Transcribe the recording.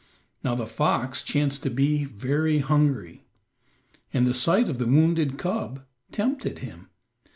Now the fox chanced to be very hungry, and the sight of the wounded cub tempted him.